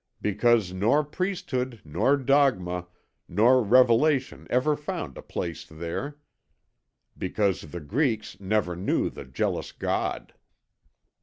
Because nor priesthood, nor dogma, nor revelation ever found a place there, because the Greeks never knew the jealous God.